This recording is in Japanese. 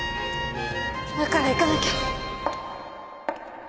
だから行かなきゃ！